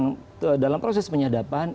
di dalam kpk yang dalam proses penyadapan